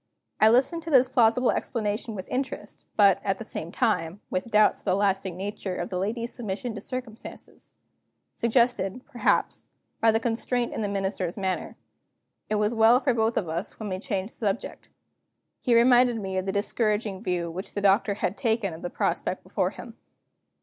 I listened to this plausible explanation with interest, but, at the same time, with doubts of the lasting nature of the lady's submission to circumstances; suggested, perhaps, by the constraint in the Minister's manner. It was well for both of us when we changed the subject. He reminded me of the discouraging view which the Doctor had taken of the prospect before him.